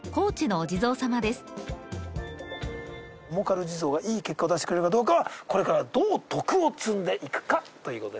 おもかる地蔵がいい結果を出してくれるかどうかはこれからどう徳を積んでいくかということですね